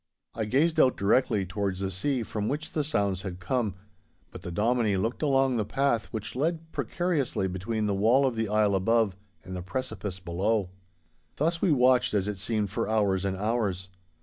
I gazed out directly towards the sea, from which the sounds had come; but the Dominie looked along the path which led precariously between the wall of the isle above and the precipice below. Thus we watched as it seemed for hours and hours.